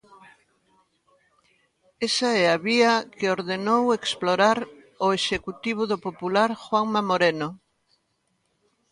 Esa é a vía que ordenou explorar o executivo do popular Juanma Moreno.